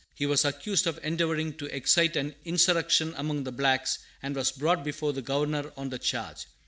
He was accused of endeavoring to excite an insurrection among the blacks, and was brought before the Governor on the charge.